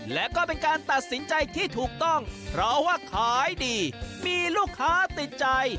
และก็เป็นการตัดสินใจที่ถูกต้องเพราะว่าขายดีมีลูกค้าติดใจ